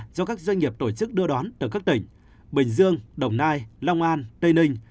do các doanh nghiệp tổ chức đưa đón từ các tỉnh bình dương đồng nai long an tây ninh